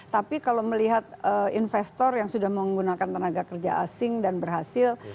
tapi kalau melihat investor yang sudah menggunakan tenaga kerja asing dan berhasil